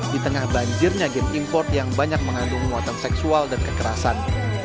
di tengah banjirnya game import yang banyak mengandung muatan seksual dan kekerasan